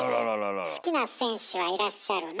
好きな選手はいらっしゃるの？